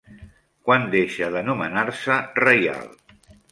Quan deixa d'anomenar-se Reial?